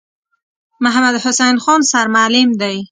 محمدحسین خان سرمعلم دی.